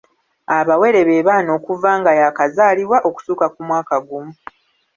Abawere be baana okuva nga y'akazaalibwa okutuuka ku mwaka gumu.